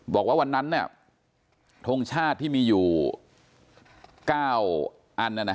บอกว่าวันนั้นเนี่ยทรงชาติที่มีอยู่๙อันนะครับ